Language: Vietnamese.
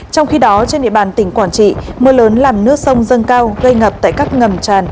trong khi đó trên địa bàn tỉnh quảng trị mưa lớn làm nước sông dâng cao gây ngập tại các ngầm tràn